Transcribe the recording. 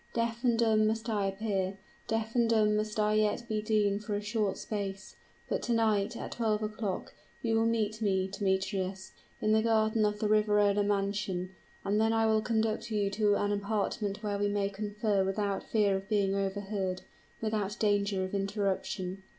Deaf and dumb must I appear deaf and dumb must I yet be deemed for a short space. But to night, at twelve o'clock, you will meet me, Demetrius, in the garden of the Riverola mansion; and then I will conduct you to an apartment where we may confer without fear of being overheard without danger of interruption."